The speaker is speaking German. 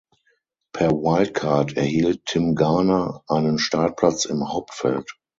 Per Wildcard erhielt Tim Garner einen Startplatz im Hauptfeld.